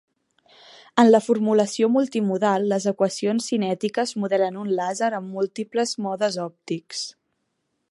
En la formulació multimodal, les equacions cinètiques modelen un làser amb múltiples modes òptics.